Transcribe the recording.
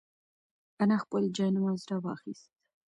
انا خپل جاینماز راواخیست.